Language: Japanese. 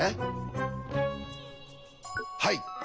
はい。